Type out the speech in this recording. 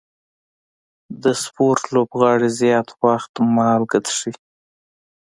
د سپورټ لوبغاړي زیات وخت مالګه څښي.